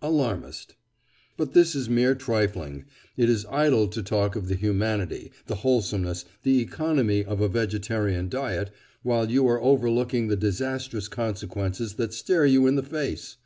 ALARMIST: But this is mere trifling. It is idle to talk of the humanity, the wholesomeness, the economy of a vegetarian diet, while you are overlooking the disastrous consequences that stare you in the face.